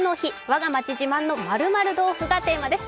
我が町自慢の○○豆腐」がテーマです。